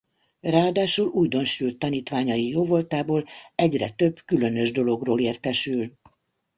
Ráadásul újdonsült tanítványai jóvoltából egyre több különös dologról értesül.